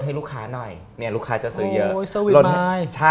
ให้ลูกค้าหน่อยลูกค้าจะซื้อเยอะ